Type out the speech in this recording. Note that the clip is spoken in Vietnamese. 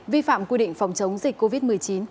vi phạm quy định phòng chống dịch covid một mươi chín